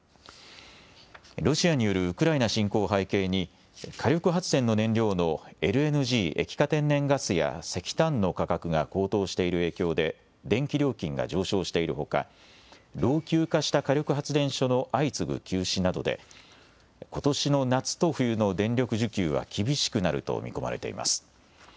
ロシアによるウクライナ侵攻を背景に、火力発電の燃料のＬＮＧ・液化天然ガスや、石炭の価格が高騰している影響で、電気料金が上昇しているほか、老朽化した火力発電所の相次ぐ休止などで、ことしの夏と冬の電力需給は厳しくなると見込まれています。